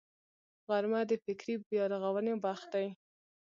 غرمه د فکري بیا رغونې وخت دی